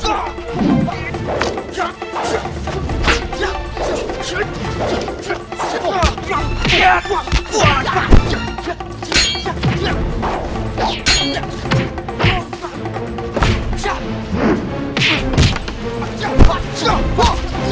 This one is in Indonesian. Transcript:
kembali sekali sambung ke dunia capai suat caminho